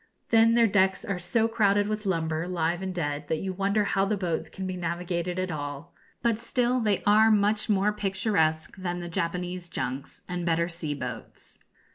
Then their decks are so crowded with lumber, live and dead, that you wonder how the boats can be navigated at all. But still they are much more picturesque than the Japanese junks, and better sea boats.